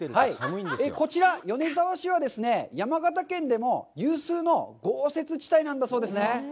こちら、米沢市はですね、山形県でも有数の豪雪地帯なんだそうですね。